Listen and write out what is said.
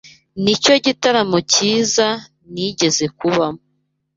Nicyo gitaramo cyiza nigeze kubamo.